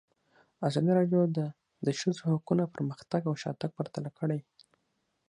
ازادي راډیو د د ښځو حقونه پرمختګ او شاتګ پرتله کړی.